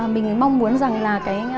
mình mong muốn rằng là